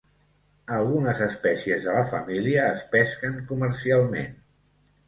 Algunes espècies de la família es pesquen comercialment.